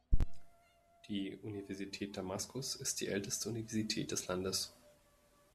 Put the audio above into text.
Die Universität Damaskus ist die älteste Universität des Landes.